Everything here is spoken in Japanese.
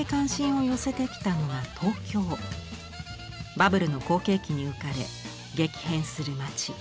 バブルの好景気に浮かれ激変する街。